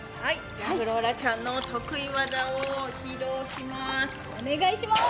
フローラちゃんの得意技を披露します。